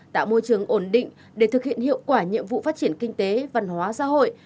tạo môi trường ổn định để thực hiện hiệu quả nhiệm vụ phát triển kinh tế văn hóa xã hội